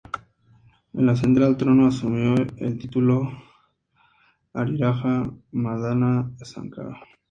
Al ascender al trono asumió el título de Ariraja-Madana-Sankara.